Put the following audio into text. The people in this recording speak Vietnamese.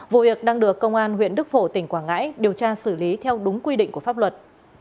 vụ việc đang được công an huyện đức phổ tỉnh quảng ngãi điều tra xử lý theo đúng quy định của pháp luật